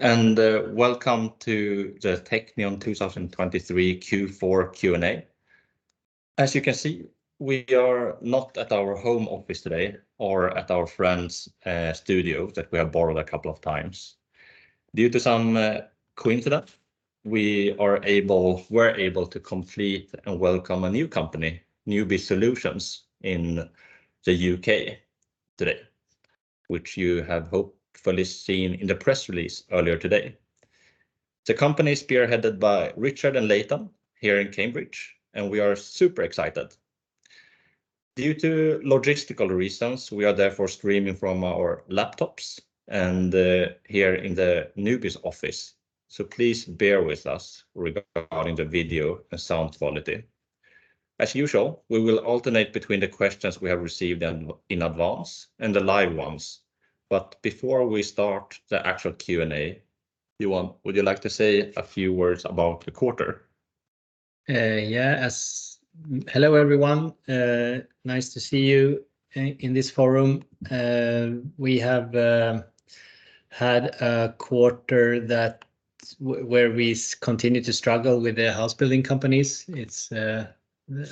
Welcome to the Teqnion 2023 Q4 Q&A. As you can see, we are not at our home office today or at our friend's studio that we have borrowed a couple of times. Due to some coincidence, we were able to complete and welcome a new company, Nubis Solutions, in the UK today, which you have hopefully seen in the press release earlier today. The company is spearheaded by Richard and Leighton here in Cambridge, and we are super excited. Due to logistical reasons, we are therefore streaming from our laptops and here in the Nubis's office, so please bear with us regarding the video and sound quality. As usual, we will alternate between the questions we have received in advance and the live ones, but before we start the actual Q&A, Johan, would you like to say a few words about the quarter? Yeah, hello everyone. Nice to see you in this forum. We have had a quarter where we continue to struggle with the house building companies.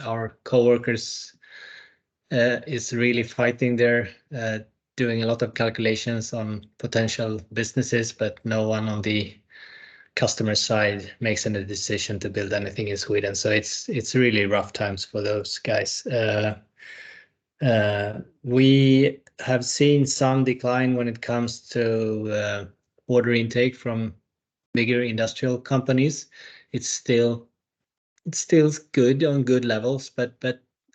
Our coworkers are really fighting there, doing a lot of calculations on potential businesses, but no one on the customer side makes any decision to build anything in Sweden, so it's really rough times for those guys. We have seen some decline when it comes to order intake from bigger industrial companies. It's still good on good levels, but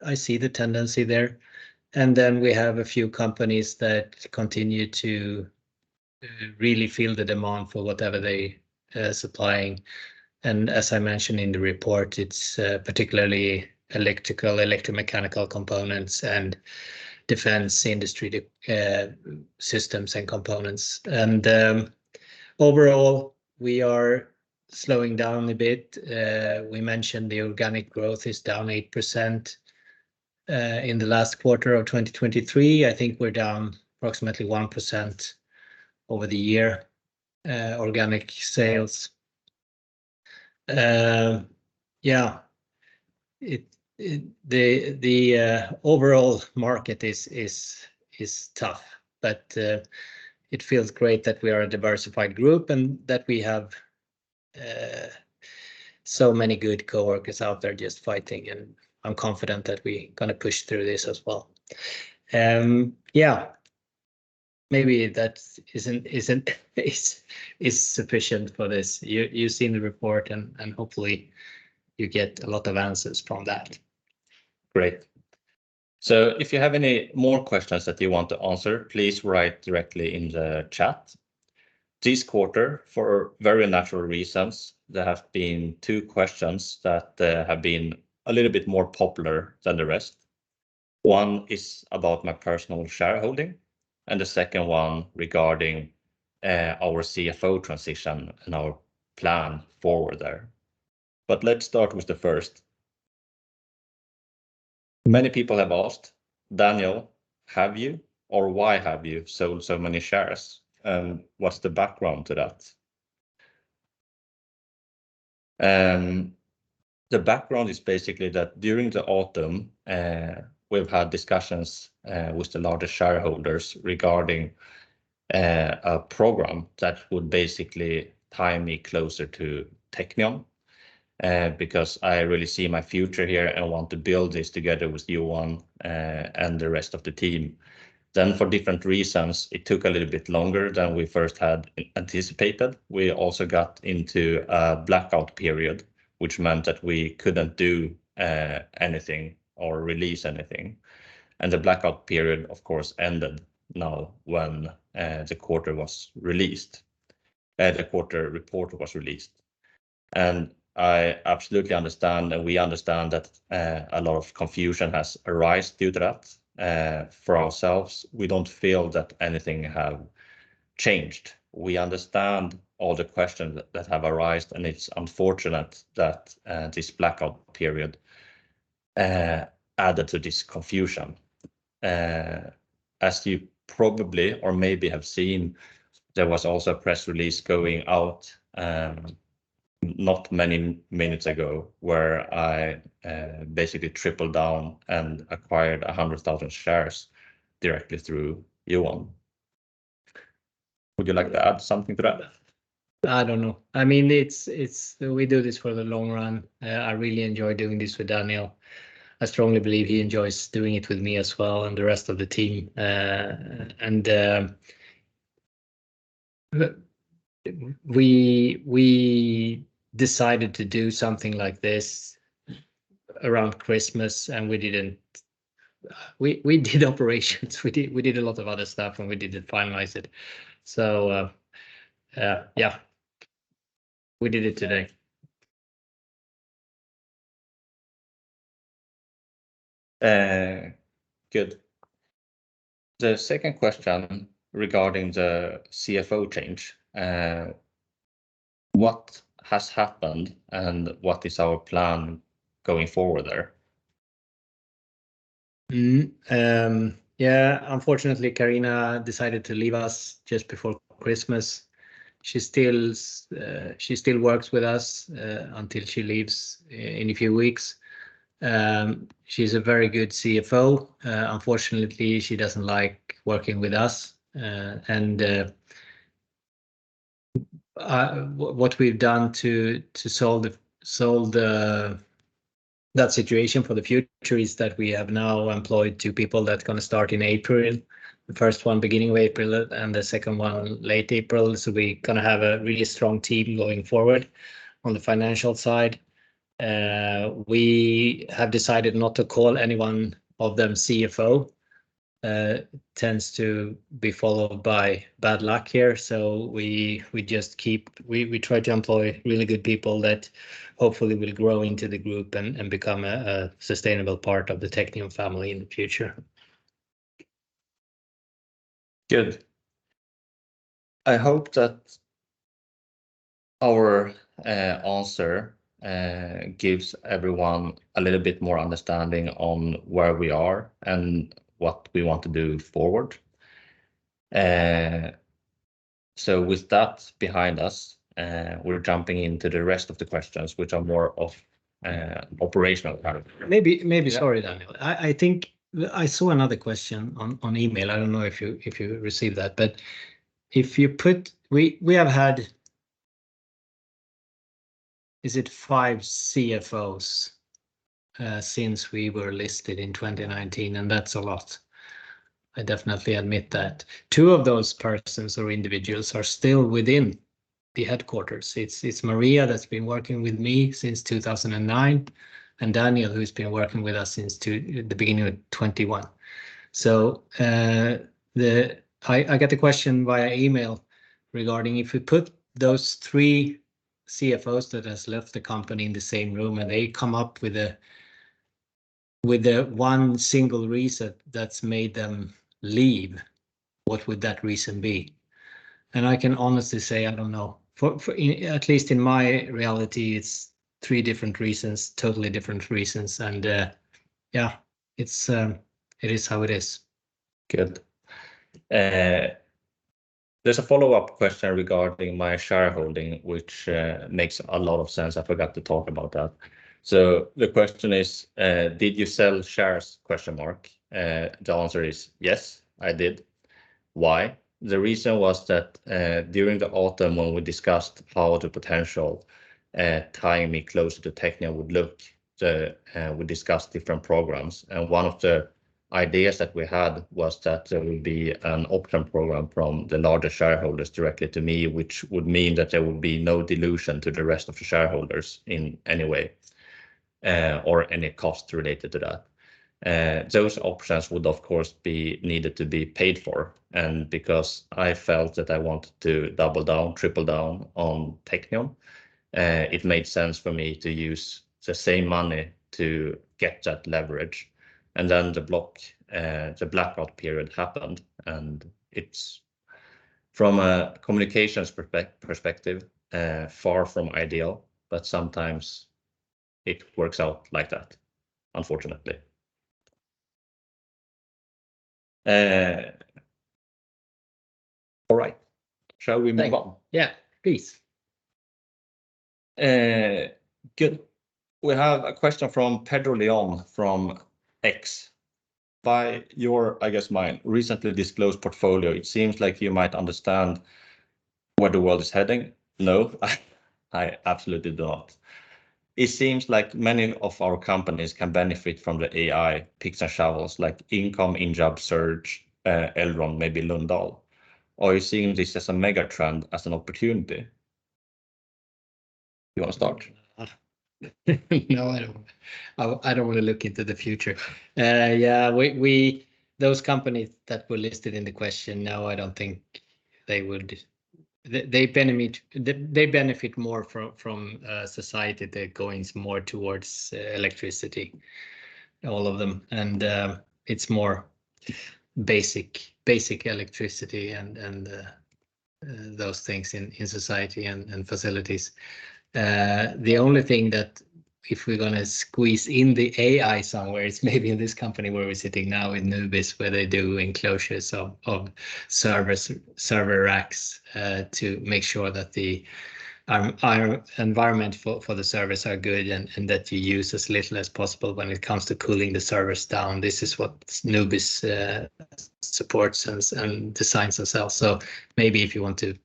I see the tendency there. And then we have a few companies that continue to really feel the demand for whatever they are supplying. And as I mentioned in the report, it's particularly electrical, electromechanical components, and defense industry systems and components. And overall, we are slowing down a bit. We mentioned the organic growth is down 8% in the last quarter of 2023. I think we're down approximately 1% over the year, organic sales. Yeah, the overall market is tough, but it feels great that we are a diversified group and that we have so many good coworkers out there just fighting, and I'm confident that we're going to push through this as well. Yeah, maybe that isn't sufficient for this. You've seen the report, and hopefully you get a lot of answers from that. Great. So if you have any more questions that you want to answer, please write directly in the chat. This quarter, for very natural reasons, there have been two questions that have been a little bit more popular than the rest. One is about my personal shareholding, and the second one regarding our CFO transition and our plan forward there. But let's start with the first. Many people have asked, "Daniel, have you or why have you sold so many shares? And what's the background to that?" The background is basically that during the autumn, we've had discussions with the larger shareholders regarding a program that would basically tie me closer to Teqnion because I really see my future here and want to build this together with Johan and the rest of the team. Then, for different reasons, it took a little bit longer than we first had anticipated. We also got into a blackout period, which meant that we couldn't do anything or release anything. The blackout period, of course, ended now when the quarter was released, the quarter report was released. I absolutely understand, and we understand that a lot of confusion has arisen due to that for ourselves. We don't feel that anything has changed. We understand all the questions that have arisen, and it's unfortunate that this blackout period added to this confusion. As you probably or maybe have seen, there was also a press release going out not many minutes ago where I basically tripled down and acquired 100,000 shares directly through Juon. Would you like to add something to that? I don't know. I mean, we do this for the long run. I really enjoy doing this with Daniel. I strongly believe he enjoys doing it with me as well and the rest of the team. And we decided to do something like this around Christmas, and we did operations. We did a lot of other stuff, and we didn't finalize it. So yeah, we did it today. Good. The second question regarding the CFO change, what has happened and what is our plan going forward there? Yeah, unfortunately, Carina decided to leave us just before christmas. She still works with us until she leaves in a few weeks. She's a very good CFO. Unfortunately, she doesn't like working with us. What we've done to solve that situation for the future is that we have now employed two people that are going to start in April, the first one beginning of April and the second one late April. So we're going to have a really strong team going forward on the financial side. We have decided not to call anyone of them CFO. It tends to be followed by bad luck here, so we try to employ really good people that hopefully will grow into the group and become a sustainable part of the Teqnion family in the future. Good. I hope that our answer gives everyone a little bit more understanding on where we are and what we want to do forward. With that behind us, we're jumping into the rest of the questions, which are more of the operational kind of. Maybe, sorry, Daniel. I think I saw another question on email. I don't know if you received that, but if you put we have had, is it, five CFOs since we were listed in 2019, and that's a lot. I definitely admit that. Two of those persons or individuals are still within the headquarters. It's Maria that's been working with me since 2009 and Daniel, who's been working with us since the beginning of 2021. So I got a question via email regarding if we put those three CFOs that have left the company in the same room and they come up with one single reason that's made them leave, what would that reason be? And I can honestly say I don't know. At least in my reality, it's three different reasons, totally different reasons. And yeah, it is how it is. Good. There's a follow-up question regarding my shareholding, which makes a lot of sense. I forgot to talk about that. So the question is, "Did you sell shares?" The answer is yes, I did. Why? The reason was that during the autumn, when we discussed how the potential tying me closer to Teqnion would look, we discussed different programs. And one of the ideas that we had was that there would be an option program from the larger shareholders directly to me, which would mean that there would be no dilution to the rest of the shareholders in any way or any cost related to that. Those options would, of course, be needed to be paid for. And because I felt that I wanted to double down, triple down on Teqnion, it made sense for me to use the same money to get that leverage. Then the Blackout Period happened. From a communications perspective, far from ideal, but sometimes it works out like that, unfortunately. All right, shall we move on? Yeah, please. Good. We have a question from Pedro Leon from X. By your, I guess, recently disclosed portfolio, it seems like you might understand where the world is heading. No, I absolutely do not. It seems like many of our companies can benefit from the AI picks and shovels like Income, InJobs, Surge, Elron, maybe Lundahl. Or you see this as a megatrend, as an opportunity? You want to start? No, I don't want to look into the future. Yeah, those companies that were listed in the question, no, I don't think they would. They benefit more from society. They're going more towards electricity, all of them. And it's more basic electricity and those things in society and facilities. The only thing that if we're going to squeeze in the AI somewhere, it's maybe in this company where we're sitting now in Nubis, where they do enclosures of server racks to make sure that the environment for the servers is good and that you use as little as possible when it comes to cooling the servers down. This is what Nubis supports and designs themselves. So maybe if you want to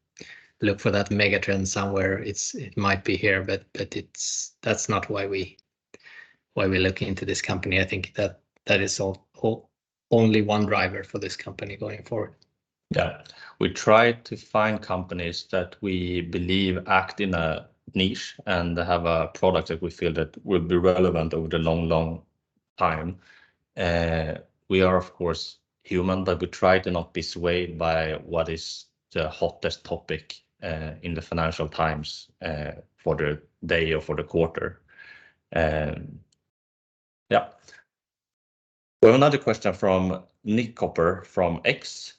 look for that megatrend somewhere, it might be here, but that's not why we're looking into this company. I think that is only one driver for this company going forward. Yeah, we try to find companies that we believe act in a niche and have a product that we feel that will be relevant over the long, long time. We are, of course, human, but we try to not be swayed by what is the hottest topic in the financial times for the day or for the quarter. Yeah. We have another question from Nick Copper from X.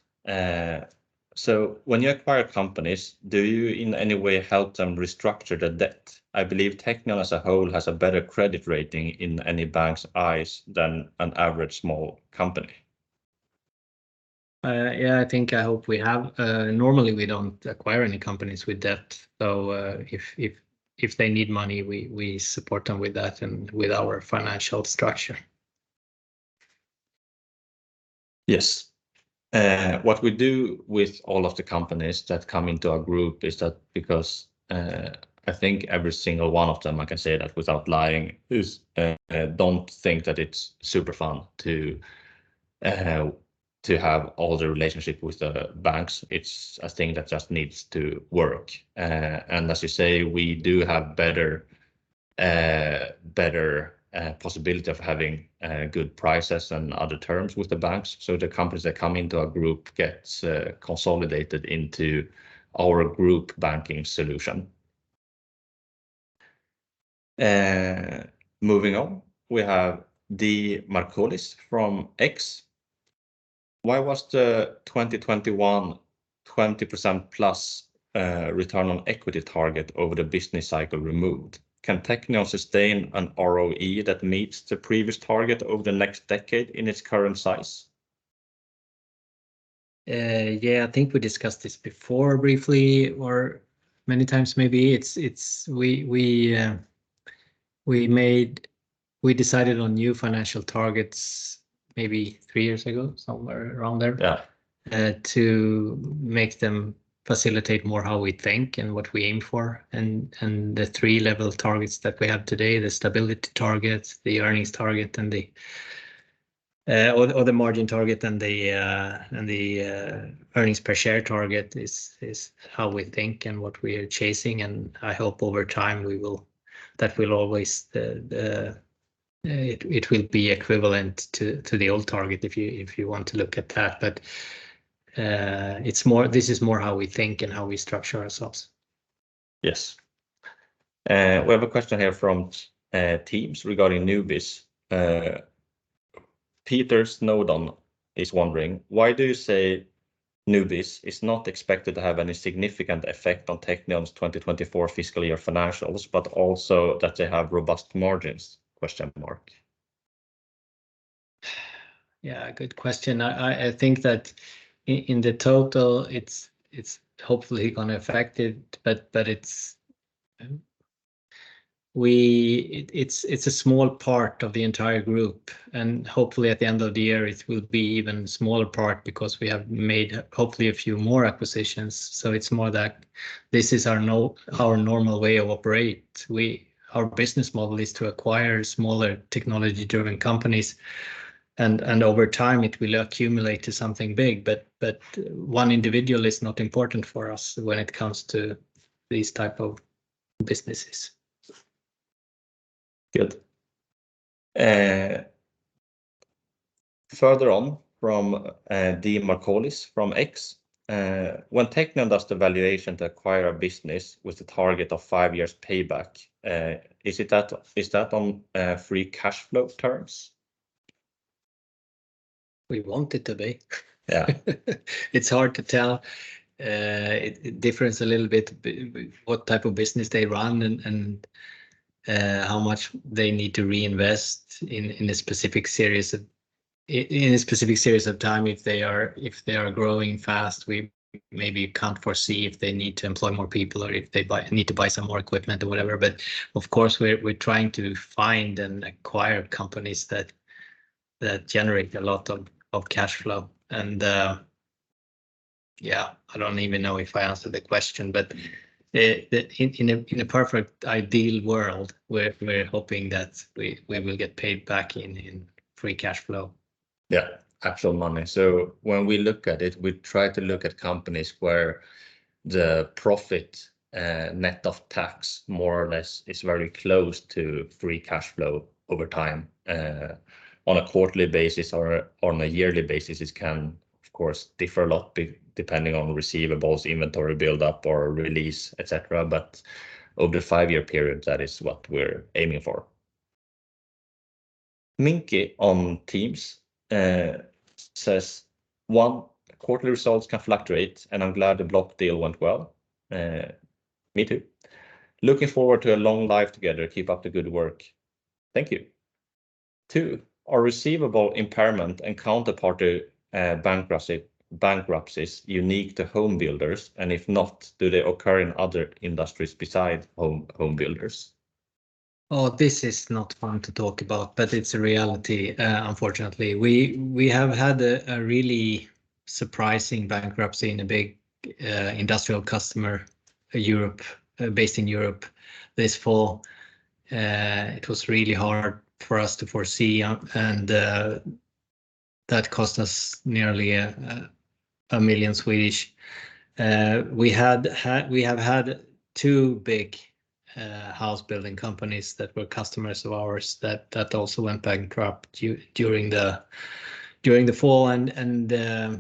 So when you acquire companies, do you in any way help them restructure the debt? I believe Teqnion as a whole has a better credit rating in any bank's eyes than an average small company. Yeah, I think I hope we have. Normally, we don't acquire any companies with debt. So if they need money, we support them with that and with our financial structure. Yes. What we do with all of the companies that come into our group is that because I think every single one of them, I can say that without lying, don't think that it's super fun to have all the relationship with the banks. It's a thing that just needs to work. And as you say, we do have a better possibility of having good prices and other terms with the banks. So the companies that come into our group get consolidated into our group banking solution. Moving on, we have D. Markoulis from X. Why was the 2021, 20%+ return on equity target over the business cycle removed? Can Teqnion sustain an ROE that meets the previous target over the next decade in its current size? Yeah, I think we discussed this before briefly or many times maybe. We decided on new financial targets maybe three years ago, somewhere around there, to make them facilitate more how we think and what we aim for. And the three-level targets that we have today, the stability target, the earnings target, and the margin target, and the earnings per share target is how we think and what we are chasing. And I hope over time that it will be equivalent to the old target if you want to look at that. But this is more how we think and how we structure ourselves. Yes. We have a question here from Teams regarding Nubis. Peter Snowdon is wondering, "Why do you say Nubis is not expected to have any significant effect on Teqnion's 2024 fiscal year financials, but also that they have robust margins? Yeah, good question. I think that in the total, it's hopefully going to affect it, but it's a small part of the entire group. And hopefully, at the end of the year, it will be an even smaller part because we have made hopefully a few more acquisitions. So it's more that this is our normal way of operating. Our business model is to acquire smaller technology-driven companies. And over time, it will accumulate to something big. But one individual is not important for us when it comes to these types of businesses. Good. Further on from D. Markoulis from X, "When Teqnion does the valuation to acquire a business with the target of five years payback, is that on free cash flow terms? We want it to be. It's hard to tell. It differs a little bit what type of business they run and how much they need to reinvest in a specific series of time. If they are growing fast, we maybe can't foresee if they need to employ more people or if they need to buy some more equipment or whatever. But of course, we're trying to find and acquire companies that generate a lot of cash flow. And yeah, I don't even know if I answered the question, but in a perfect ideal world, we're hoping that we will get paid back in Free Cash Flow. Yeah, actual money. So when we look at it, we try to look at companies where the profit net of tax more or less is very close to free cash flow over time. On a quarterly basis or on a yearly basis, it can, of course, differ a lot depending on receivables, inventory buildup, or release, etc. But over the five-year period, that is what we're aiming for. Minki on Teams says, "One, quarterly results can fluctuate, and I'm glad the block deal went well." Me too. "Looking forward to a long life together. Keep up the good work. Thank you." Two, are receivable impairment and counterparty bankruptcies unique to homebuilders, and if not, do they occur in other industries besides homebuilders? Oh, this is not fun to talk about, but it's a reality, unfortunately. We have had a really surprising bankruptcy in a big industrial customer based in Europe this fall. It was really hard for us to foresee, and that cost us nearly 1 million. We have had two big house-building companies that were customers of ours that also went bankrupt during the fall.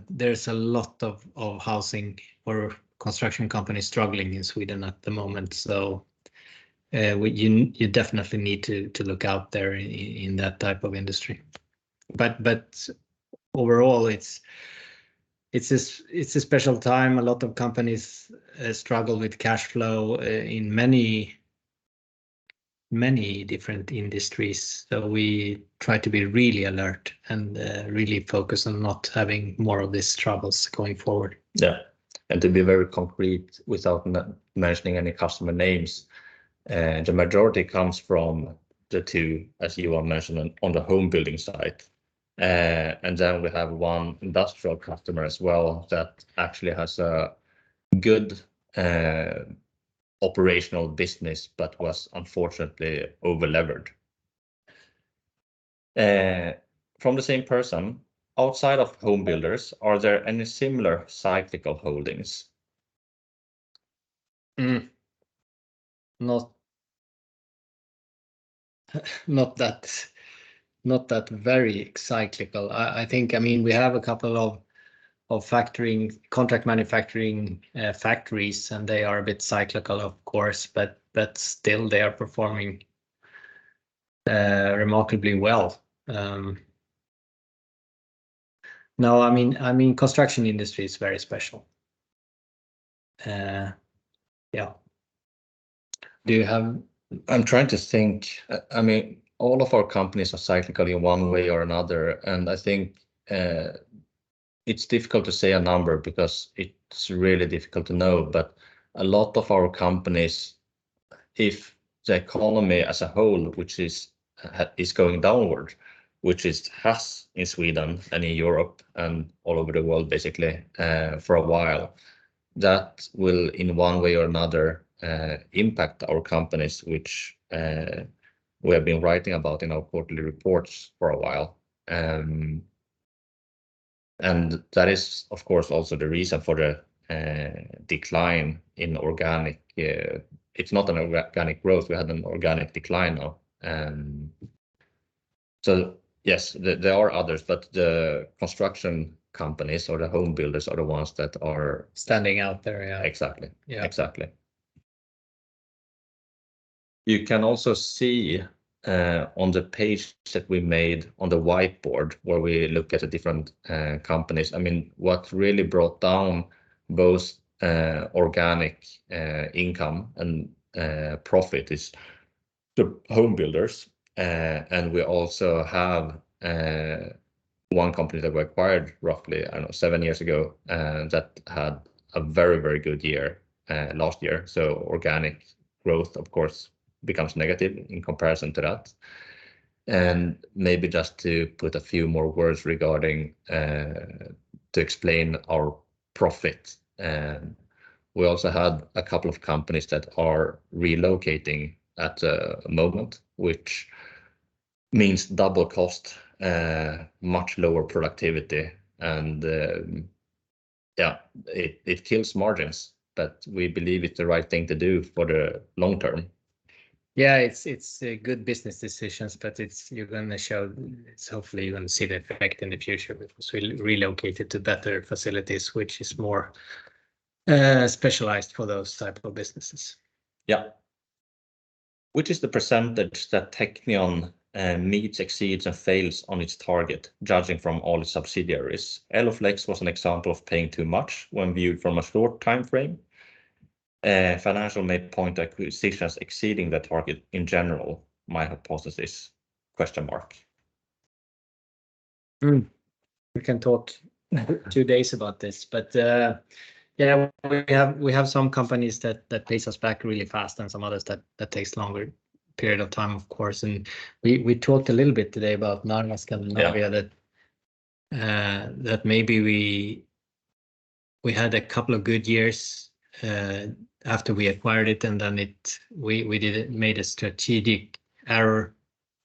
There's a lot of housing or construction companies struggling in Sweden at the moment. So you definitely need to look out there in that type of industry. But overall, it's a special time. A lot of companies struggle with cash flow in many different industries. So we try to be really alert and really focus on not having more of these troubles going forward. Yeah. To be very concrete, without mentioning any customer names, the majority comes from the two, as you have mentioned, on the homebuilding side. Then we have one industrial customer as well that actually has a good operational business but was unfortunately overlevered. From the same person, outside of homebuilders, are there any similar cyclical holdings? Not that, not that very cyclical. I mean, we have a couple of contract manufacturing factories, and they are a bit cyclical, of course, but still, they are performing remarkably well. No, I mean, construction industry is very special. Yeah. Do you have? I'm trying to think. I mean, all of our companies are cyclical in one way or another. And I think it's difficult to say a number because it's really difficult to know. But a lot of our companies, if the economy as a whole, which is going downward, which has in Sweden and in Europe and all over the world basically for a while, that will in one way or another impact our companies, which we have been writing about in our quarterly reports for a while. And that is, of course, also the reason for the decline in organic. It's not an organic growth. We had an organic decline now. So yes, there are others, but the construction companies or the homebuilders are the ones that are. Standing out there, yeah. Exactly. Exactly. You can also see on the page that we made on the whiteboard where we look at the different companies. I mean, what really brought down both organic income and profit is the homebuilders. We also have one company that we acquired roughly, I don't know, seven years ago that had a very, very good year last year. So organic growth, of course, becomes negative in comparison to that. Maybe just to put a few more words to explain our profit, we also had a couple of companies that are relocating at the moment, which means double cost, much lower productivity. Yeah, it kills margins, but we believe it's the right thing to do for the long term. Yeah, it's good business decisions, but you're going to show, hopefully, you're going to see the effect in the future because we relocated to better facilities, which is more specialized for those types of businesses. Yeah. Which is the percentage that Teqnion meets, exceeds, and fails on its target, judging from all its subsidiaries? Eloflex was an example of paying too much when viewed from a short time frame. Financial made point to acquisitions exceeding the target in general. My hypothesis? We can talk two days about this. But yeah, we have some companies that pays us back really fast and some others that take a longer period of time, of course. And we talked a little bit today about Narva Skandinavien that maybe we had a couple of good years after we acquired it, and then we made a strategic error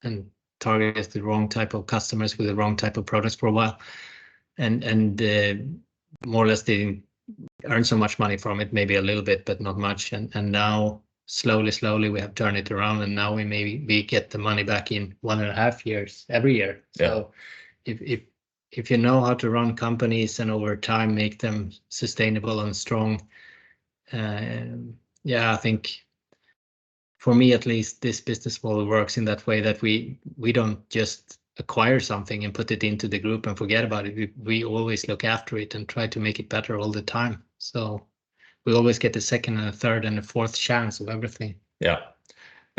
and targeted the wrong type of customers with the wrong type of products for a while. And more or less, they didn't earn so much money from it, maybe a little bit, but not much. And now, slowly, slowly, we have turned it around, and now we maybe get the money back in one and a half years, every year. So if you know how to run companies and over time make them sustainable and strong, yeah, I think for me, at least, this business model works in that way that we don't just acquire something and put it into the group and forget about it. We always look after it and try to make it better all the time. So we always get a second and a third and a fourth chance of everything. Yeah.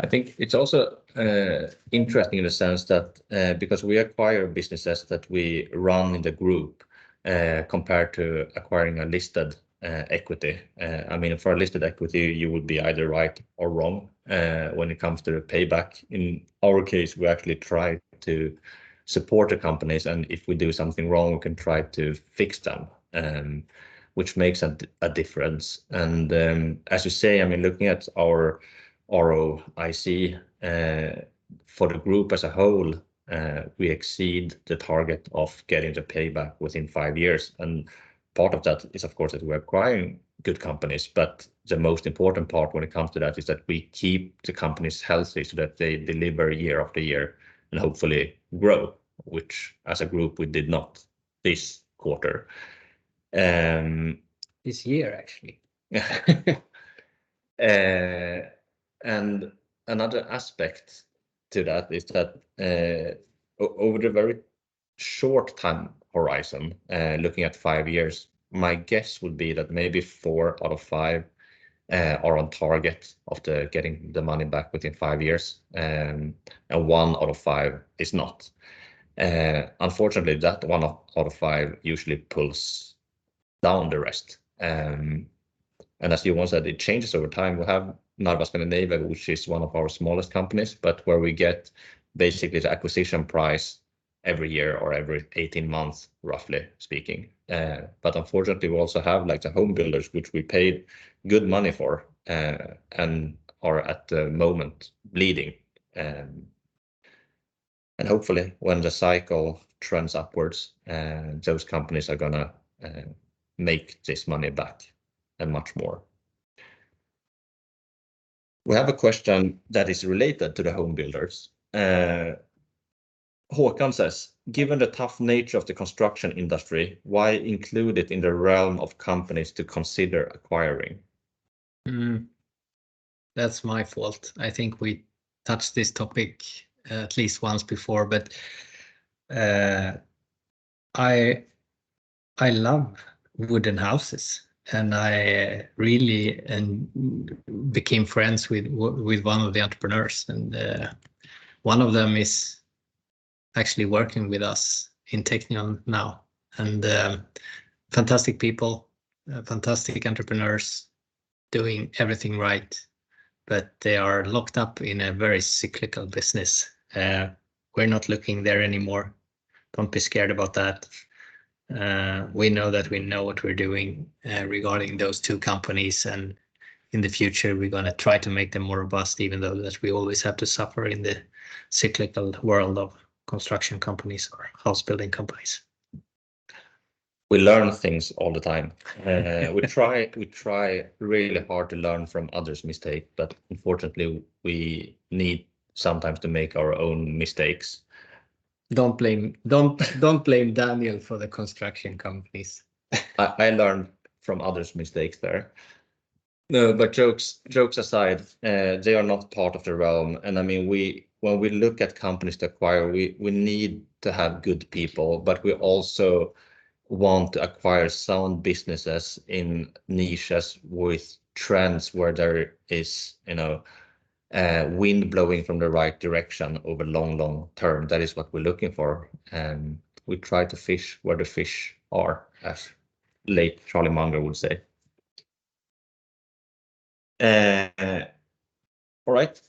I think it's also interesting in the sense that because we acquire businesses that we run in the group compared to acquiring a listed equity. I mean, for a listed equity, you would be either right or wrong when it comes to the payback. In our case, we actually try to support the companies. And if we do something wrong, we can try to fix them, which makes a difference. And as you say, I mean, looking at our ROIC for the group as a whole, we exceed the target of getting the payback within five years. And part of that is, of course, that we're acquiring good companies. But the most important part when it comes to that is that we keep the companies healthy so that they deliver year after year and hopefully grow, which as a group, we did not this quarter. This year, actually. Another aspect to that is that over the very short time horizon, looking at five years, my guess would be that maybe four out of five are on target of getting the money back within five years, and one out of five is not. Unfortunately, that one out of five usually pulls down the rest. As you once said, it changes over time. We have Narva Skandinavien, which is one of our smallest companies, but where we get basically the acquisition price every year or every 18 months, roughly speaking. But unfortunately, we also have the homebuilders, which we paid good money for and are at the moment bleeding. Hopefully, when the cycle trends upwards, those companies are going to make this money back and much more. We have a question that is related to the homebuilders. Håkan says, "Given the tough nature of the construction industry, why include it in the realm of companies to consider acquiring? That's my fault. I think we touched this topic at least once before. But I love wooden houses, and I really became friends with one of the entrepreneurs. And one of them is actually working with us in Teqnion now. And fantastic people, fantastic entrepreneurs doing everything right, but they are locked up in a very cyclical business. We're not looking there anymore. Don't be scared about that. We know that we know what we're doing regarding those two companies. And in the future, we're going to try to make them more robust, even though we always have to suffer in the cyclical world of construction companies or house-building companies. We learn things all the time. We try really hard to learn from others' mistakes, but unfortunately, we need sometimes to make our own mistakes. Don't blame Daniel for the construction companies. I learned from others' mistakes there. Jokes aside, they are not part of the realm. I mean, when we look at companies to acquire, we need to have good people, but we also want to acquire sound businesses in niches with trends where there is wind blowing from the right direction over a long, long term. That is what we're looking for. We try to fish where the fish are, as late Charlie Munger would say. All right.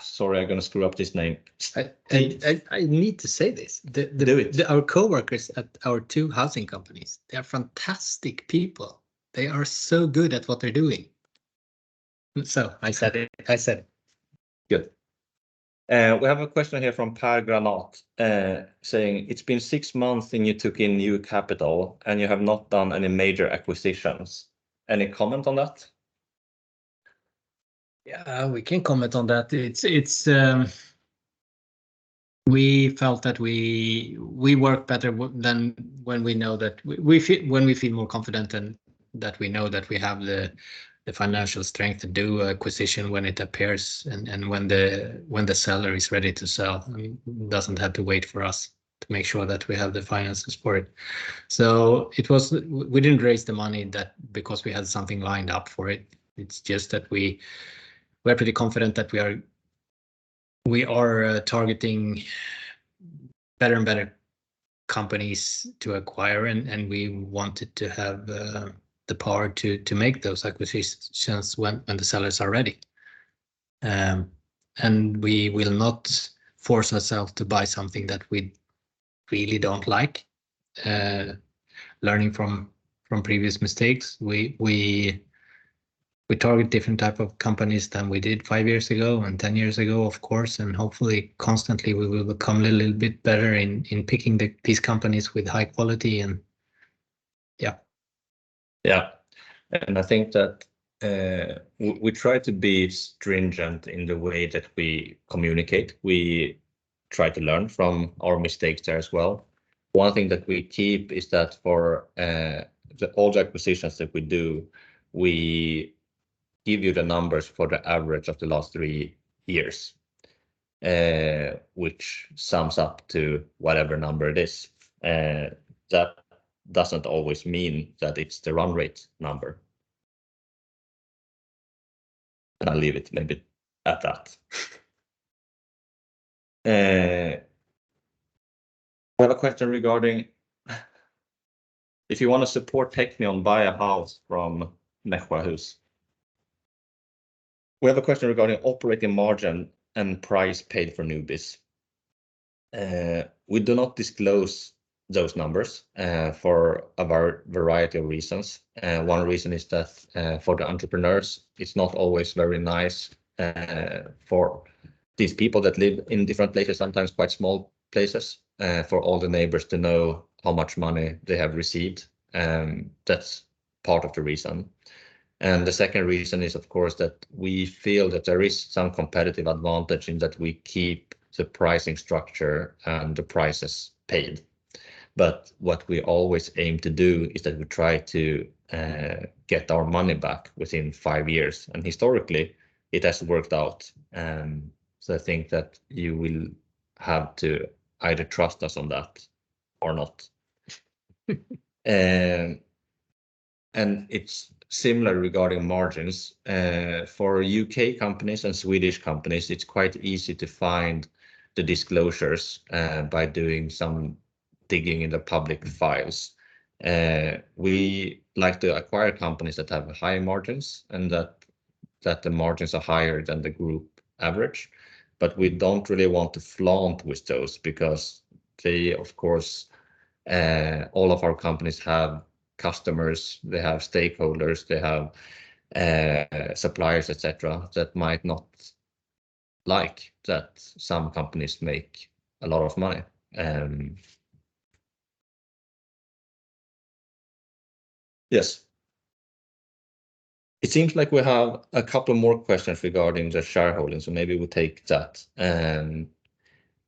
Sorry, I'm going to screw up this name. I need to say this. Our coworkers at our two housing companies, they are fantastic people. They are so good at what they're doing. So I said it. I said it. Good. We have a question here from Per Granat saying, "It's been six months and you took in new capital, and you have not done any major acquisitions." Any comment on that? Yeah, we can comment on that. We felt that we work better than when we know that when we feel more confident and that we know that we have the financial strength to do an acquisition when it appears and when the seller is ready to sell and doesn't have to wait for us to make sure that we have the finances for it. So we didn't raise the money because we had something lined up for it. It's just that we're pretty confident that we are targeting better and better companies to acquire, and we wanted to have the power to make those acquisitions when the seller is already. And we will not force ourselves to buy something that we really don't like, learning from previous mistakes. We target different types of companies than we did five years ago and 10 years ago, of course. Hopefully, constantly, we will become a little bit better in picking these companies with high quality. Yeah. Yeah. And I think that we try to be stringent in the way that we communicate. We try to learn from our mistakes there as well. One thing that we keep is that for all the acquisitions that we do, we give you the numbers for the average of the last three years, which sums up to whatever number it is. That doesn't always mean that it's the run rate number. And I'll leave it maybe at that. We have a question regarding if you want to support Teqnion, buy a house from Näppähuus. We have a question regarding operating margin and price paid for Nubis. We do not disclose those numbers for a variety of reasons. One reason is that for the entrepreneurs, it's not always very nice for these people that live in different places, sometimes quite small places, for all the neighbors to know how much money they have received. That's part of the reason. And the second reason is, of course, that we feel that there is some competitive advantage in that we keep the pricing structure and the prices paid. But what we always aim to do is that we try to get our money back within five years. And historically, it has worked out. So I think that you will have to either trust us on that or not. And it's similar regarding margins. For U.K. companies and Swedish companies, it's quite easy to find the disclosures by doing some digging in the public files. We like to acquire companies that have high margins and that the margins are higher than the group average. But we don't really want to flaunt with those because, of course, all of our companies have customers. They have stakeholders. They have suppliers, etc., that might not like that some companies make a lot of money. Yes. It seems like we have a couple more questions regarding the shareholdings, so maybe we'll take that.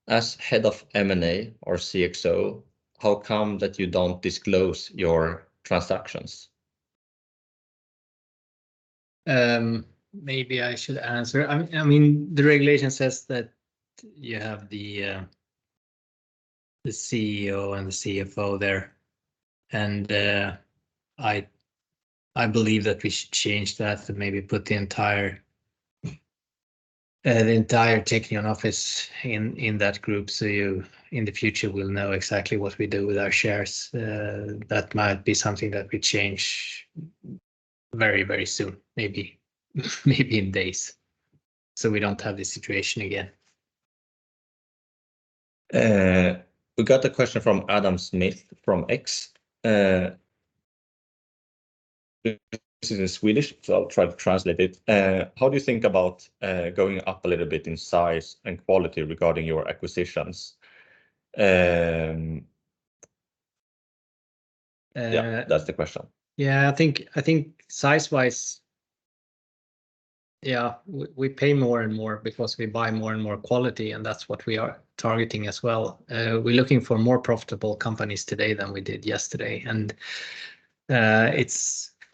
As head of M&A or CXO, how come that you don't disclose your transactions? Maybe I should answer. I mean, the regulation says that you have the CEO and the CFO there. I believe that we should change that and maybe put the entire Teqnion office in that group so you, in the future, will know exactly what we do with our shares. That might be something that we change very, very soon, maybe in days, so we don't have this situation again. We got a question from Adam Smith from X. This is in Swedish, so I'll try to translate it. How do you think about going up a little bit in size and quality regarding your acquisitions? Yeah, that's the question. Yeah, I think size-wise, yeah, we pay more and more because we buy more and more quality, and that's what we are targeting as well. We're looking for more profitable companies today than we did yesterday.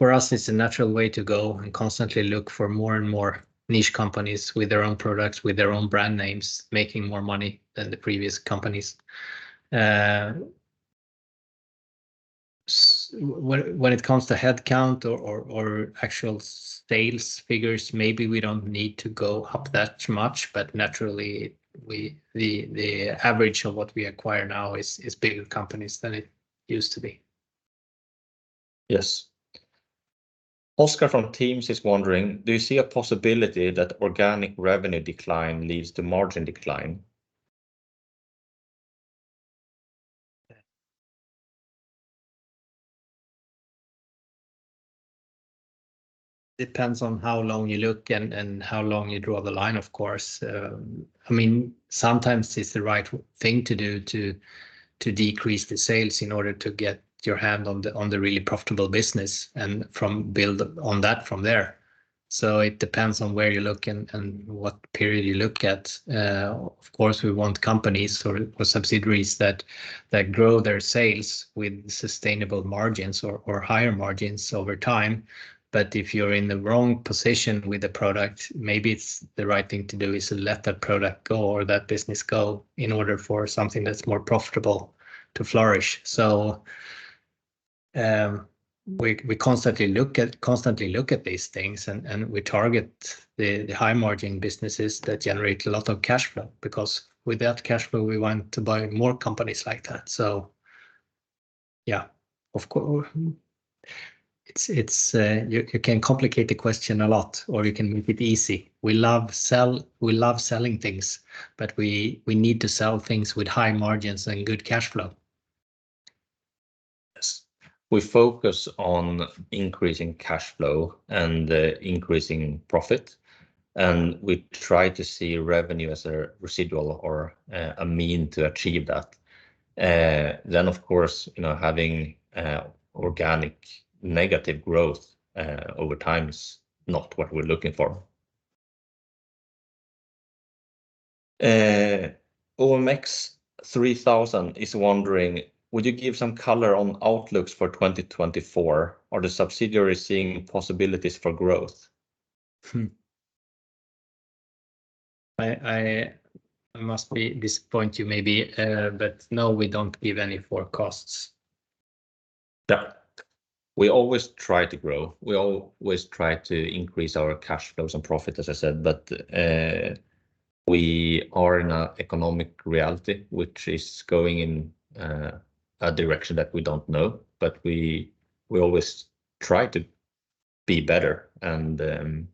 For us, it's a natural way to go and constantly look for more and more niche companies with their own products, with their own brand names, making more money than the previous companies. When it comes to headcount or actual sales figures, maybe we don't need to go up that much. Naturally, the average of what we acquire now is bigger companies than it used to be. Yes. Oskar from Teams is wondering, "Do you see a possibility that organic revenue decline leads to margin decline? Depends on how long you look and how long you draw the line, of course. I mean, sometimes it's the right thing to do to decrease the sales in order to get your hand on the really profitable business and build on that from there. So it depends on where you look and what period you look at. Of course, we want companies or subsidiaries that grow their sales with sustainable margins or higher margins over time. But if you're in the wrong position with the product, maybe the right thing to do is to let that product go or that business go in order for something that's more profitable to flourish. So we constantly look at these things, and we target the high-margin businesses that generate a lot of cash flow because with that cash flow, we want to buy more companies like that. So yeah, you can complicate the question a lot, or you can make it easy. We love selling things, but we need to sell things with high margins and good cash flow. Yes. We focus on increasing cash flow and increasing profit, and we try to see revenue as a residual or a means to achieve that. Then, of course, having organic negative growth over time is not what we're looking for. OMX3000 is wondering, "Would you give some color on outlook for 2024? Are the subsidiaries seeing possibilities for growth? I must disappoint you maybe, but no, we don't give any forecasts. Yeah. We always try to grow. We always try to increase our cash flows and profit, as I said. But we are in an economic reality which is going in a direction that we don't know. But we always try to be better, and the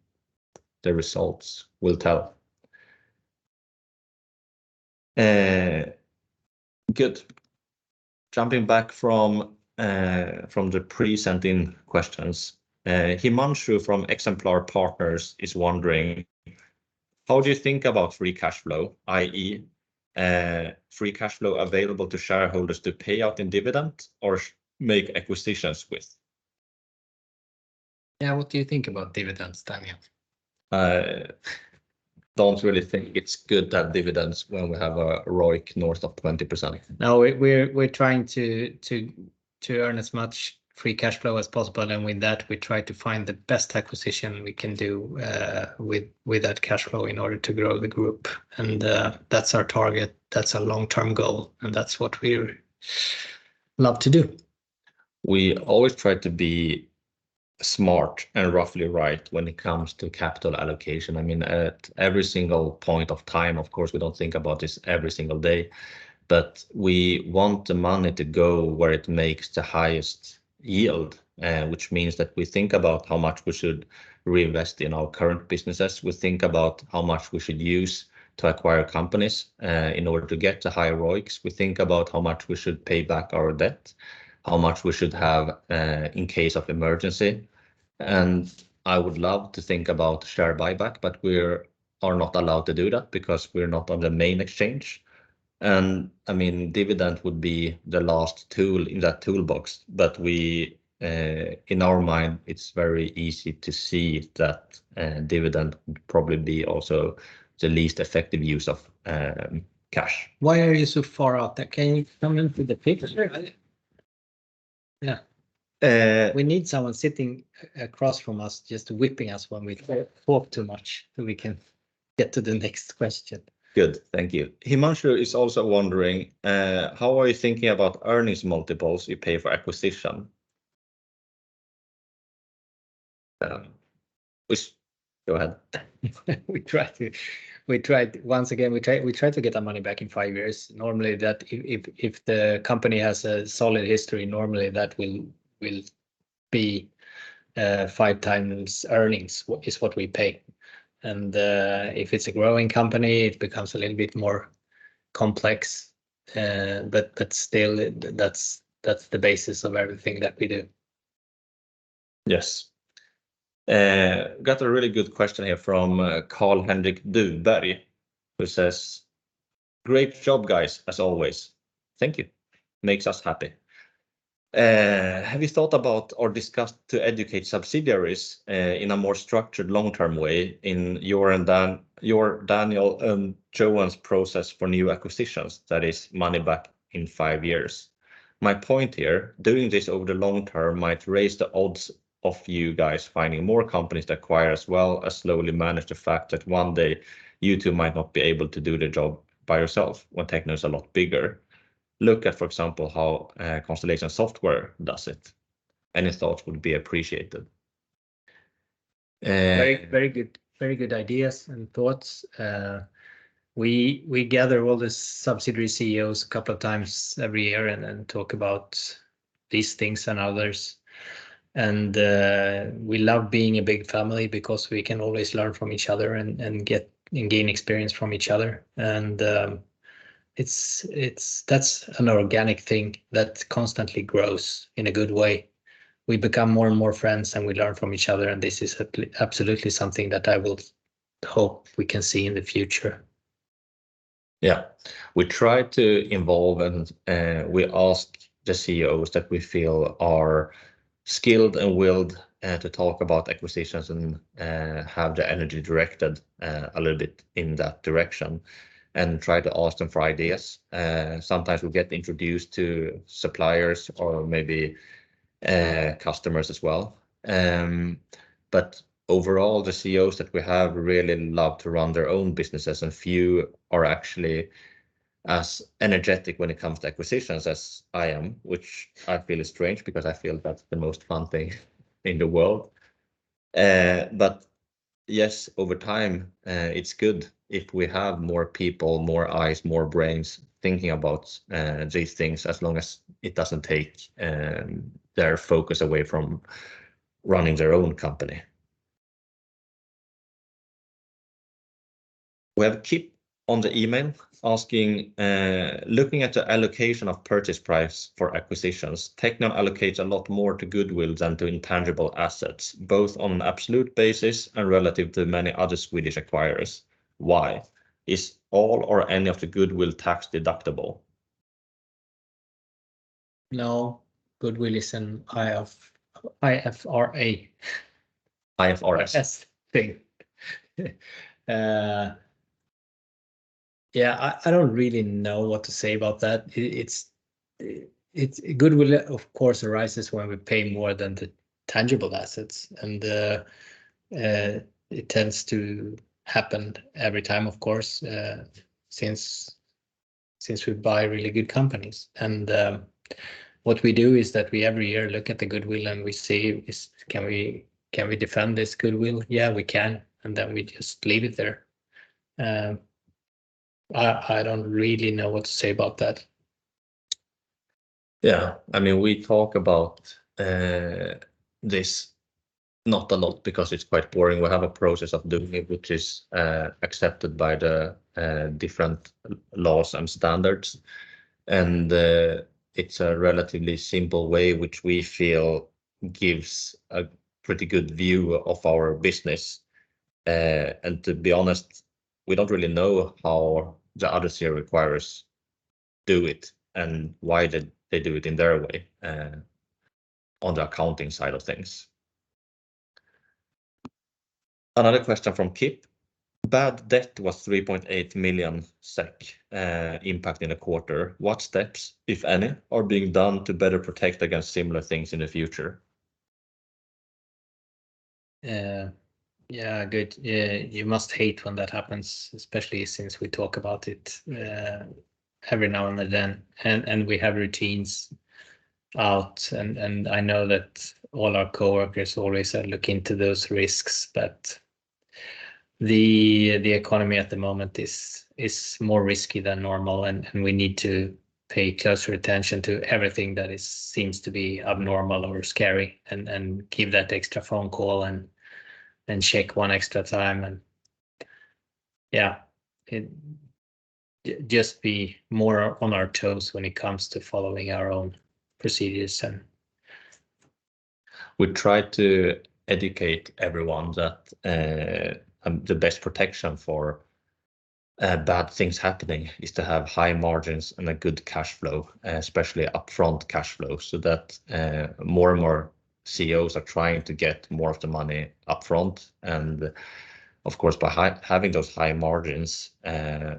results will tell. Good. Jumping back from the pre-sending questions, Himanshu from Exemplar Partners is wondering, "How do you think about free cash flow, i.e., free cash flow available to shareholders to pay out in dividend or make acquisitions with? Yeah, what do you think about dividends, Daniel? I don't really think it's good that dividends when we have a ROIC north of 20%. No, we're trying to earn as much free cash flow as possible. With that, we try to find the best acquisition we can do with that cash flow in order to grow the group. That's our target. That's a long-term goal, and that's what we love to do. We always try to be smart and roughly right when it comes to capital allocation. I mean, at every single point of time, of course, we don't think about this every single day. But we want the money to go where it makes the highest yield, which means that we think about how much we should reinvest in our current businesses. We think about how much we should use to acquire companies in order to get to higher ROICs. We think about how much we should pay back our debt, how much we should have in case of emergency. And I would love to think about share buyback, but we are not allowed to do that because we're not on the main exchange. And I mean, dividend would be the last tool in that toolbox. But in our mind, it's very easy to see that dividend would probably be also the least effective use of cash. Why are you so far out there? Can you come into the picture? Yeah. We need someone sitting across from us, just whipping us when we talk too much so we can get to the next question. Good. Thank you. Himanshu is also wondering, "How are you thinking about earnings multiples you pay for acquisition?" Go ahead. We tried once again. We try to get our money back in five years. Normally, if the company has a solid history, normally that will be 5x earnings is what we pay. And if it's a growing company, it becomes a little bit more complex. But still, that's the basis of everything that we do. Yes. Got a really good question here from Carl-Henrik Söderberg, who says, "Great job, guys, as always. Thank you. Makes us happy." "Have you thought about or discussed to educate subsidiaries in a more structured long-term way in your and Daniel Zhang's process for new acquisitions, that is, money back in five years? My point here, doing this over the long term might raise the odds of you guys finding more companies to acquire as well as slowly manage the fact that one day you two might not be able to do the job by yourself when Teqnion is a lot bigger. Look at, for example, how Constellation Software does it. Any thoughts would be appreciated. Very good ideas and thoughts. We gather all the subsidiary CEOs a couple of times every year and talk about these things and others. We love being a big family because we can always learn from each other and gain experience from each other. That's an organic thing that constantly grows in a good way. We become more and more friends, and we learn from each other. This is absolutely something that I will hope we can see in the future. Yeah. We try to involve, and we ask the CEOs that we feel are skilled and willing to talk about acquisitions and have the energy directed a little bit in that direction and try to ask them for ideas. Sometimes we'll get introduced to suppliers or maybe customers as well. But overall, the CEOs that we have really love to run their own businesses. And few are actually as energetic when it comes to acquisitions as I am, which I feel is strange because I feel that's the most fun thing in the world. But yes, over time, it's good if we have more people, more eyes, more brains thinking about these things as long as it doesn't take their focus away from running their own company. We have Keep on the email asking, "Looking at the allocation of purchase price for acquisitions, Teqnion allocates a lot more to goodwill than to intangible assets, both on an absolute basis and relative to many other Swedish acquirers. Why? Is all or any of the goodwill tax deductible? No, goodwill is an IFRS. IFRS. Something. Yeah, I don't really know what to say about that. Goodwill, of course, arises when we pay more than the tangible assets. It tends to happen every time, of course, since we buy really good companies. What we do is that we every year look at the goodwill, and we see, "Can we defend this goodwill?" Yeah, we can. Then we just leave it there. I don't really know what to say about that. Yeah. I mean, we talk about this not a lot because it's quite boring. We have a process of doing it, which is accepted by the different laws and standards. It's a relatively simple way, which we feel gives a pretty good view of our business. To be honest, we don't really know how the other CEO acquirers do it and why they do it in their way on the accounting side of things. Another question from Keep, "Bad debt was 3.8 million SEK impact in the quarter. What steps, if any, are being done to better protect against similar things in the future? Yeah, good. You must hate when that happens, especially since we talk about it every now and then. We have routines out. I know that all our coworkers always look into those risks. But the economy at the moment is more risky than normal. We need to pay closer attention to everything that seems to be abnormal or scary and give that extra phone call and check one extra time and yeah, just be more on our toes when it comes to following our own procedures. We try to educate everyone that the best protection for bad things happening is to have high margins and a good cash flow, especially upfront cash flow. So that more and more CEOs are trying to get more of the money upfront. And of course, by having those high margins,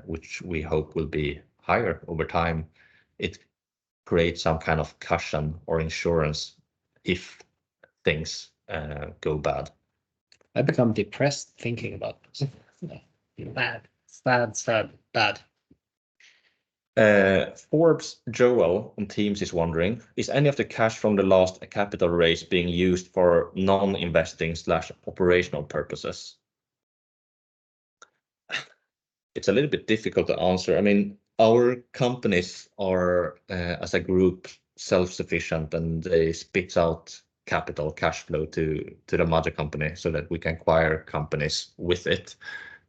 which we hope will be higher over time, it creates some kind of cushion or insurance if things go bad. I become depressed thinking about this. Bad, sad, bad. Joel Forbes on Teams is wondering, "Is any of the cash from the last capital raise being used for non-investing/operational purposes?" It's a little bit difficult to answer. I mean, our companies are, as a group, self-sufficient, and they spit out capital, cash flow to the major company so that we can acquire companies with it.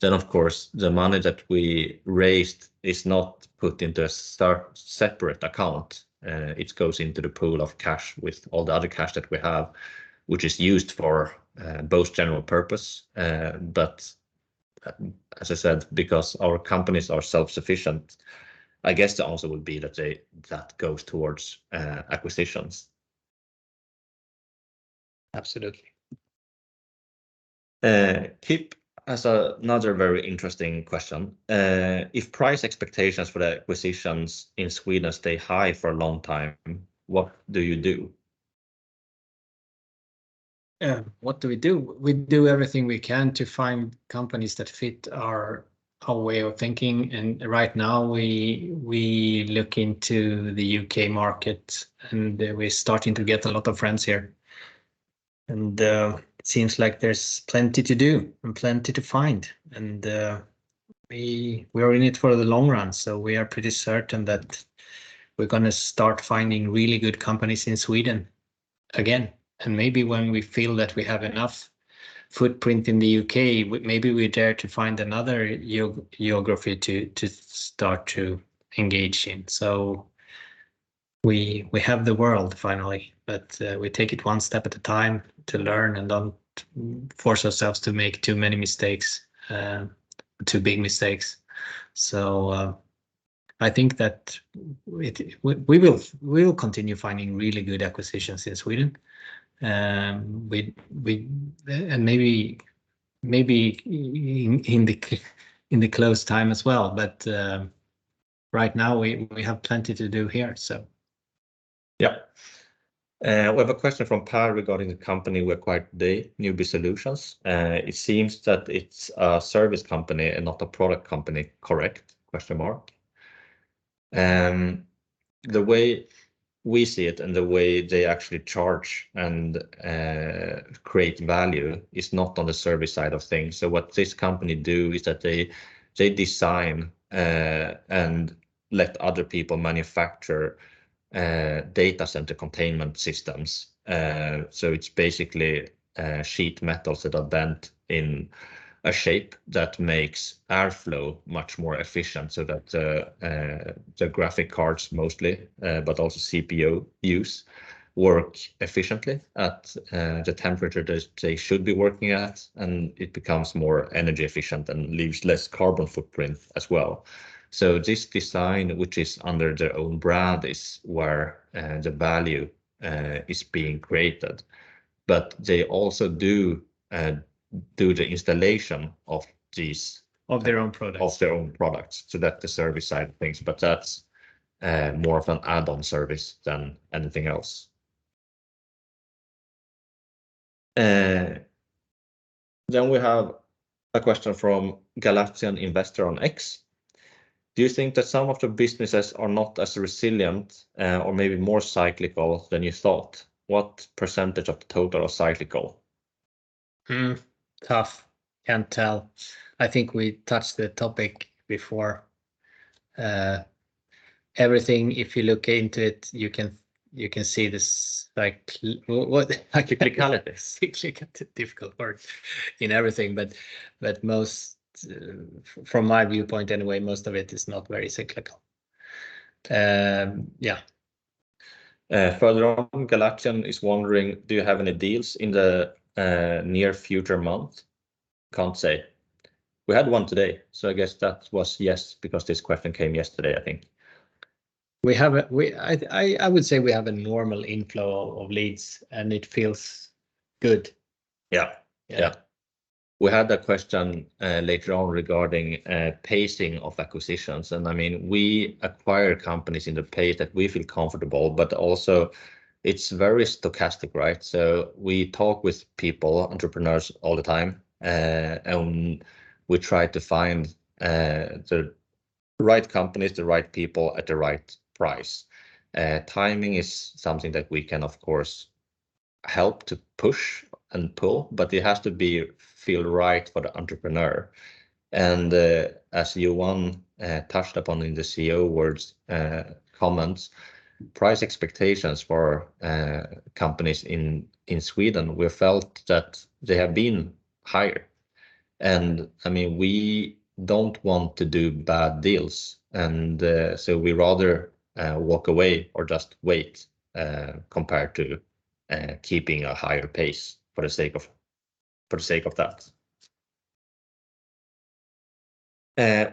Then, of course, the money that we raised is not put into a separate account. It goes into the pool of cash with all the other cash that we have, which is used for both general purposes. But as I said, because our companies are self-sufficient, I guess the answer would be that that goes towards acquisitions. Absolutely. Keep has another very interesting question. "If price expectations for the acquisitions in Sweden stay high for a long time, what do you do? What do we do? We do everything we can to find companies that fit our way of thinking. And right now, we look into the U.K. market, and we're starting to get a lot of friends here. And it seems like there's plenty to do and plenty to find. And we are in it for the long run. So we are pretty certain that we're going to start finding really good companies in Sweden again. And maybe when we feel that we have enough footprint in the U.K., maybe we dare to find another geography to start to engage in. So we have the world, finally. But we take it one step at a time to learn and don't force ourselves to make too many mistakes, too big mistakes. So I think that we will continue finding really good acquisitions in Sweden and maybe in the close time as well. But right now, we have plenty to do here, so. Yeah. We have a question from Paul regarding the company we acquired today, Nubis Solutions. "It seems that it's a service company and not a product company, correct?" The way we see it and the way they actually charge and create value is not on the service side of things. So what this company do is that they design and let other people manufacture data center containment systems. So it's basically sheet metals that are bent in a shape that makes airflow much more efficient so that the graphic cards mostly, but also CPU use, work efficiently at the temperature that they should be working at. And it becomes more energy efficient and leaves less carbon footprint as well. So this design, which is under their own brand, is where the value is being created. But they also do the installation of these. Of their own products. Of their own products so that the service side of things. But that's more of an add-on service than anything else. Then we have a question from Galatian Investor on X, "Do you think that some of the businesses are not as resilient or maybe more cyclical than you thought? What percentage of the total are cyclical? Tough. Can't tell. I think we touched the topic before. Everything, if you look into it, you can see this. Cyclicality. Cyclicality, difficult word in everything. But from my viewpoint anyway, most of it is not very cyclical. Yeah. Further on, Galatian is wondering, "Do you have any deals in the near future month?" Can't say. We had one today. So I guess that was yes because this question came yesterday, I think. I would say we have a normal inflow of leads, and it feels good. Yeah. Yeah. We had that question later on regarding pacing of acquisitions. I mean, we acquire companies in the pace that we feel comfortable. But also, it's very stochastic, right? So we talk with people, entrepreneurs all the time. We try to find the right companies, the right people at the right price. Timing is something that we can, of course, help to push and pull. But it has to feel right for the entrepreneur. As Johan touched upon in the CEO words, comments, price expectations for companies in Sweden, we felt that they have been higher. I mean, we don't want to do bad deals. So we rather walk away or just wait compared to keeping a higher pace for the sake of that.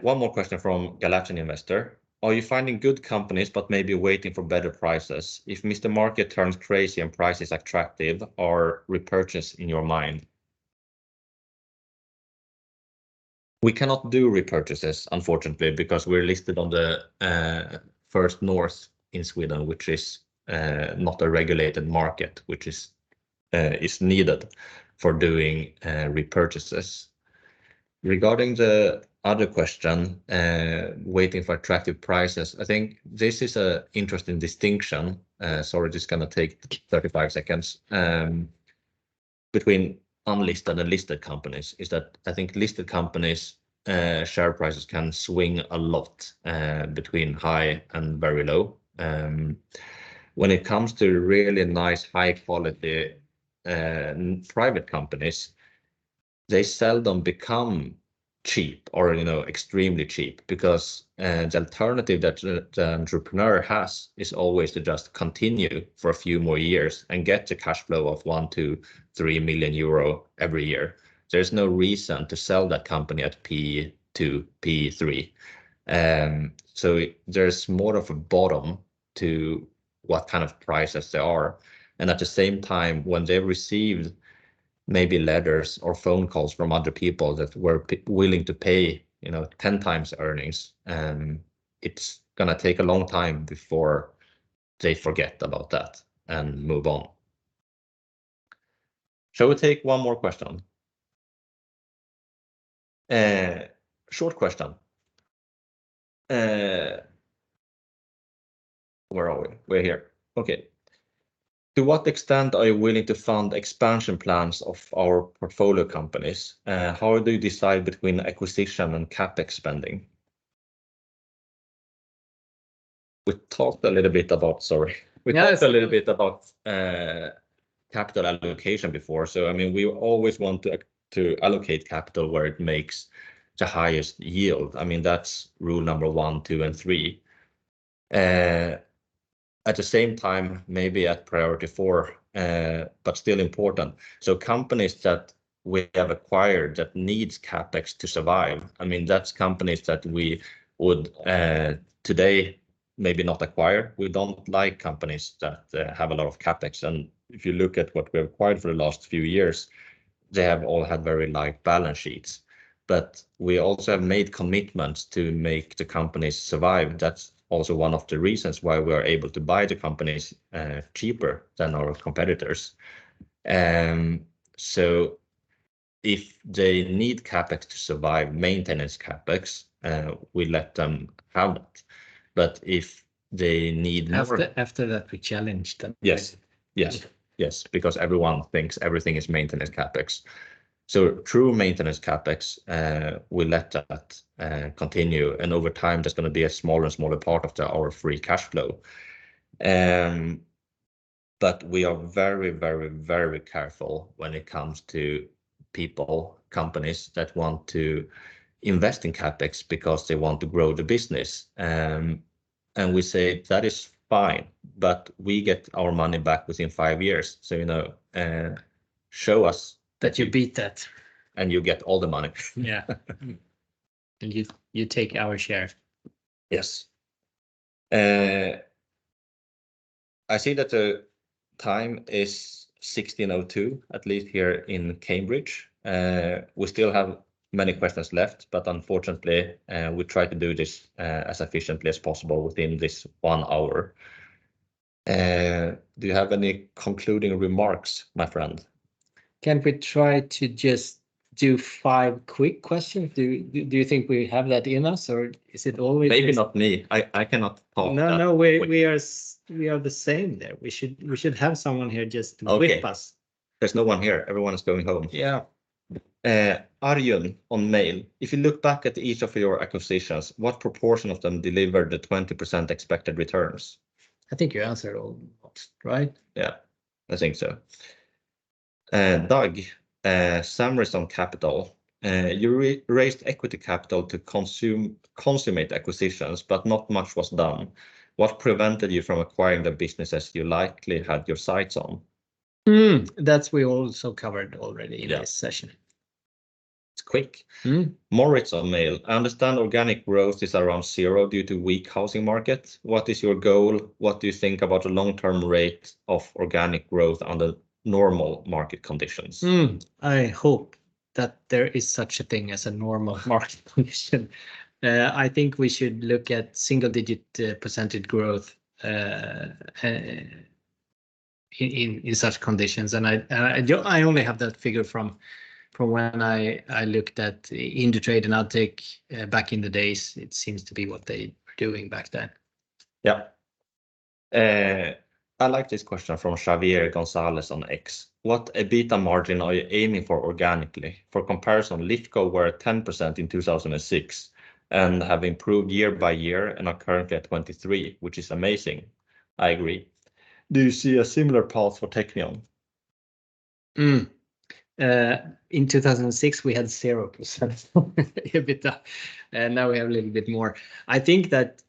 One more question from Galatian Investor, "Are you finding good companies but maybe waiting for better prices? If Mr. Market turns crazy and price is attractive, are repurchases in your mind?" We cannot do repurchases, unfortunately, because we're listed on the First North in Sweden, which is not a regulated market, which is needed for doing repurchases. Regarding the other question, waiting for attractive prices, I think this is an interesting distinction. Sorry, this is going to take 35 seconds. Between unlisted and listed companies, is that I think listed companies' share prices can swing a lot between high and very low. When it comes to really nice, high-quality private companies, they seldom become cheap or extremely cheap because the alternative that the entrepreneur has is always to just continue for a few more years and get the cash flow of 1 million-3 million euro every year. There's no reason to sell that company at P2, P3. So there's more of a bottom to what kind of prices there are. And at the same time, when they receive maybe letters or phone calls from other people that were willing to pay 10x earnings, it's going to take a long time before they forget about that and move on. Shall we take one more question? Short question. Where are we? We're here. Okay. "To what extent are you willing to fund expansion plans of our portfolio companies? How do you decide between acquisition and CapEx spending?" We talked a little bit about sorry. We talked a little bit about capital allocation before. So I mean, we always want to allocate capital where it makes the highest yield. I mean, that's rule number one, two, and three. At the same time, maybe at priority four, but still important. So, companies that we have acquired that need CapEx to survive, I mean, that's companies that we would today maybe not acquire. We don't like companies that have a lot of CapEx. And if you look at what we have acquired for the last few years, they have all had very light balance sheets. But we also have made commitments to make the companies survive. That's also one of the reasons why we are able to buy the companies cheaper than our competitors. So if they need CapEx to survive, maintenance CapEx, we let them have that. But if they need more. After that, we challenge them. Yes. Yes. Yes. Because everyone thinks everything is maintenance CapEx. So true maintenance CapEx, we let that continue. And over time, there's going to be a smaller and smaller part of our free cash flow. But we are very, very, very careful when it comes to people, companies that want to invest in CapEx because they want to grow the business. And we say that is fine. But we get our money back within five years. So show us. That you beat that. You get all the money. Yeah. You take our share. Yes. I see that the time is 4:02 P.M., at least here in Cambridge. We still have many questions left. But unfortunately, we try to do this as efficiently as possible within this one hour. Do you have any concluding remarks, my friend? Can we try to just do five quick questions? Do you think we have that in us, or is it always? Maybe not me. I cannot talk that. No, no. We are the same there. We should have someone here just with us. Okay. There's no one here. Everyone is going home. Yeah. Arjun on mail, "If you look back at each of your acquisitions, what proportion of them delivered the 20% expected returns? I think you answered all of them, right? Yeah. I think so. Doug, Samaritan Capital, "You raised equity capital to consummate acquisitions, but not much was done. What prevented you from acquiring the businesses you likely had your sights on? That's, we also covered already in this session. It's quick. Moritz on mail, "I understand organic growth is around zero due to weak housing market. What is your goal? What do you think about the long-term rate of organic growth under normal market conditions? I hope that there is such a thing as a normal market condition. I think we should look at single-digit % growth in such conditions. I only have that figure from when I looked at Indutrade and Addtech. Back in the days, it seems to be what they were doing back then. Yeah. I like this question from Xavier Gonzalez on X, "What EBITA margin are you aiming for organically? For comparison, Lifco were at 10% in 2006 and have improved year by year and are currently at 23%, which is amazing. I agree." Do you see a similar path for Teqnion? In 2006, we had 0% EBITDA. Now we have a little bit more. I think that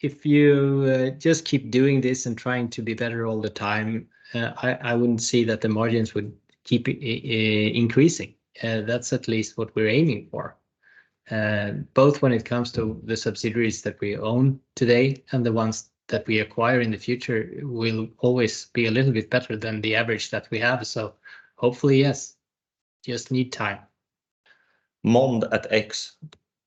if you just keep doing this and trying to be better all the time, I wouldn't see that the margins would keep increasing. That's at least what we're aiming for. Both when it comes to the subsidiaries that we own today and the ones that we acquire in the future will always be a little bit better than the average that we have. So hopefully, yes. Just need time. Mond at X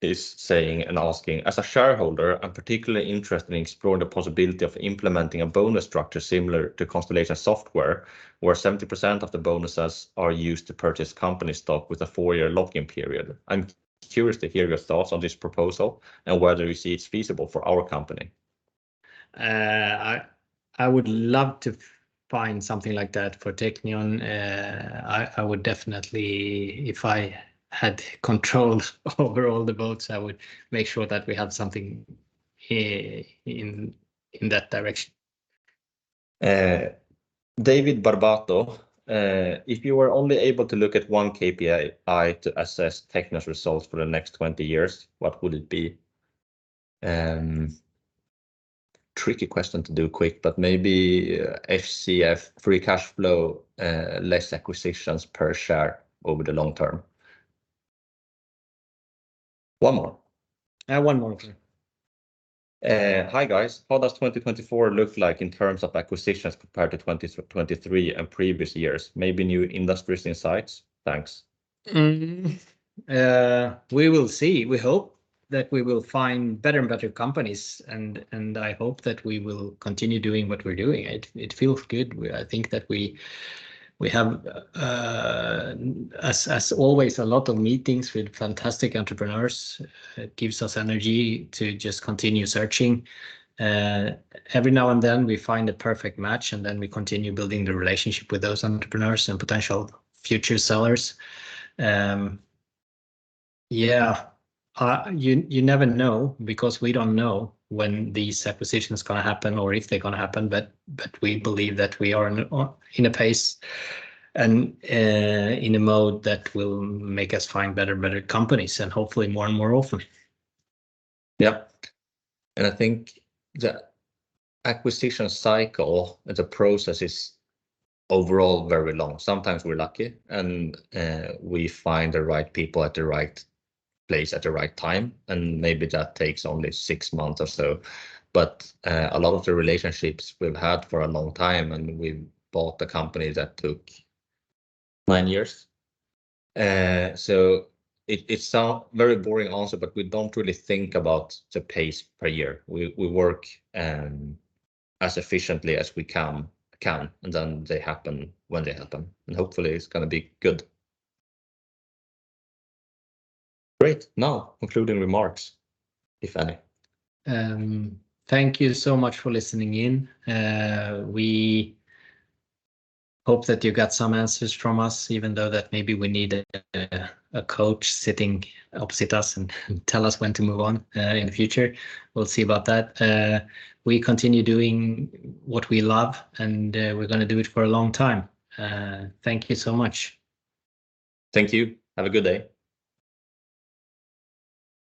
is saying and asking, "As a shareholder, I'm particularly interested in exploring the possibility of implementing a bonus structure similar to Constellation Software, where 70% of the bonuses are used to purchase company stock with a four-year lock-in period. I'm curious to hear your thoughts on this proposal and whether you see it's feasible for our company. I would love to find something like that for Teqnion. I would definitely, if I had control over all the votes, I would make sure that we have something in that direction. David Barbato, "If you were only able to look at one KPI to assess Teqnion's results for the next 20 years, what would it be?" Tricky question to do quick, but maybe FCF, free cash flow, less acquisitions per share over the long term. One more. One more, please. Hi guys. How does 2024 look like in terms of acquisitions compared to 2023 and previous years? Maybe new industries insights? Thanks. We will see. We hope that we will find better and better companies. I hope that we will continue doing what we're doing. It feels good. I think that we have, as always, a lot of meetings with fantastic entrepreneurs. It gives us energy to just continue searching. Every now and then, we find a perfect match, and then we continue building the relationship with those entrepreneurs and potential future sellers. Yeah. You never know because we don't know when these acquisitions are going to happen or if they're going to happen. We believe that we are in a pace and in a mode that will make us find better and better companies and hopefully more and more often. Yeah. I think the acquisition cycle and the process is overall very long. Sometimes we're lucky and we find the right people at the right place at the right time. Maybe that takes only 6 months or so. But a lot of the relationships we've had for a long time, and we bought a company that took 9 years. So it's a very boring answer, but we don't really think about the pace per year. We work as efficiently as we can, and then they happen when they happen. Hopefully, it's going to be good. Great. Now, concluding remarks, if any. Thank you so much for listening in. We hope that you got some answers from us, even though that maybe we need a coach sitting opposite us and tell us when to move on in the future. We'll see about that. We continue doing what we love, and we're going to do it for a long time. Thank you so much. Thank you. Have a good day.